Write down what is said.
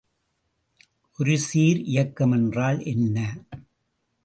ஒருசீர் இயக்கம் என்றால் என்ன?